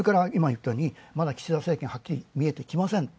まだ岸田政権はっきり見えてこない